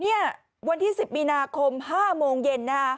เนี่ยวันที่๑๐มีนาคม๕โมงเย็นนะฮะ